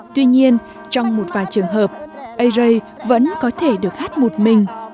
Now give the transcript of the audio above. tuy nhiên trong một vài trường hợp ây rây vẫn có thể được hát một mình